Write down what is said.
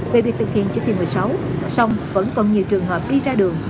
về việc thực hiện chế thi một mươi sáu song vẫn còn nhiều trường hợp đi ra đường